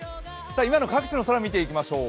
今の各地の空、見ていきましょう。